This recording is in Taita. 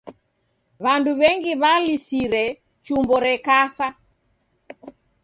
W'andu w'engi w'alisire chumbo rekasa.